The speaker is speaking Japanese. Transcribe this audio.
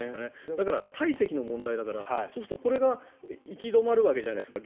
だから体積の問題だからそうするとこれが行き止まるわけじゃないですか。